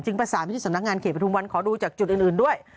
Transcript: จึงประสาทที่สำนักงานเขียนไปทุ่มวันขอดูจากจุดอื่นด้วย